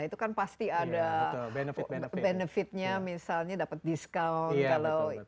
itu kan pasti ada benefit nya misalnya dapat discount